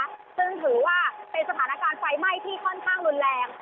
ซึ่งถือว่าเป็นสถานการณ์ไฟไหม้ที่ค่อนข้างรุนแรง